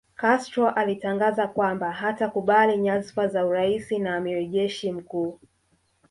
Castro alitangaza kwamba hatakubali nyazfa za urais na amiri jeshi mkuu